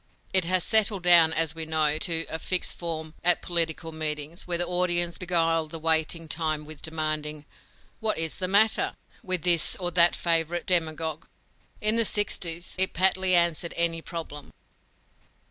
It has settled down, as we know, to a fixed form at political meetings, where the audience beguile the waiting time with demanding "What is the matter?" with this or that favorite demagogue. In the sixties, it patly answered any problem.